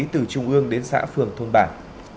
từ trung ương đến xã phường thôn bản